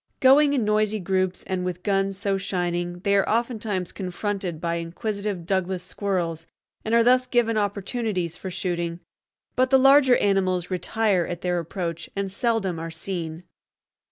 Going in noisy groups, and with guns so shining, they are oftentimes confronted by inquisitive Douglas squirrels, and are thus given opportunities for shooting; but the larger animals retire at their approach and seldom are seen.